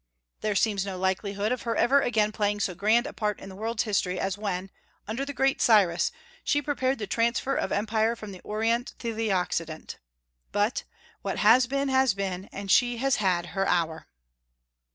There seems no likelihood of her ever again playing so grand a part in the world's history as when, under the great Cyrus, she prepared the transfer of empire from the Orient to the Occident. But "what has been, has been, and she has had her hour."